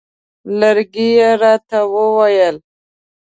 لرګی یې راته وویل.